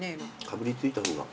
かぶりついた方が。